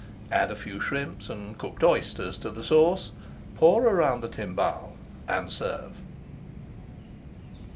Add a few shrimps and cooked oysters to the sauce, pour around the timbales, and serve.